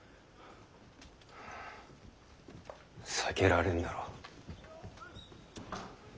避けられんだろう。